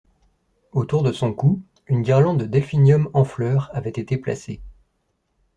Autour de son cou une guirlande de delphinium en fleurs avait été placée.